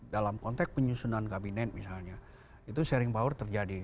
dalam konteks penyusunan kabinet misalnya itu sharing power terjadi